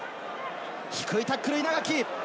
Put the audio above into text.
低いタックル稲垣。